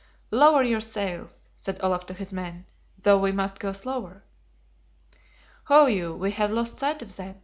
"Lower your sails!" said Olaf to his men (though we must go slower). "Ho you, we have lost sight of them!"